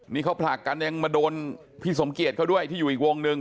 นี่เขาผลักกันยังมาโดนพี่สมเกียจเขาด้วยที่อยู่อีกวงหนึ่ง